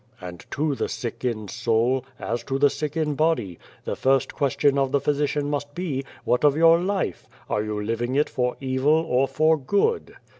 " And to the sick in soul, as to the sick in body, the first question of the physician must be, ' What of your life ? Are you living it for evil or for good